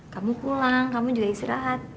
kamu pulang kamu juga istirahat